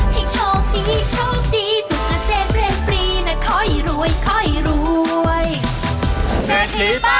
ให้ชอบดีชอบดีสูงเสธเรียงปรีนะ